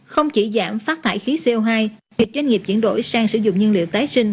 không chỉ giảm phát thải khí co hai việc doanh nghiệp chuyển đổi sang sử dụng nhiên liệu tái sinh